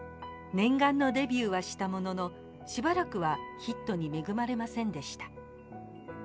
念願のデビューはしたもののしばらくはヒットに恵まれませんでした。